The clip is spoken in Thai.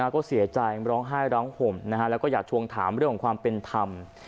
ก็เสียใจร้องไห้ร้องห่มแล้วก็อยากทวงถามเรื่องของความเป็นธรรม